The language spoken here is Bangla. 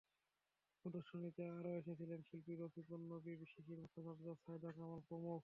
প্রদর্শনীতে আরও এসেছিলেন শিল্পী রফিকুন নবী, শিশির ভট্টাচার্য, সাঈদা কামাল প্রমুখ।